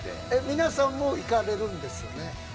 皆さんも行かれるんですよね。